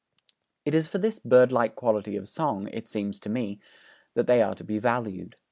It is for this bird like quality of song, it seems to me, that they are to be valued.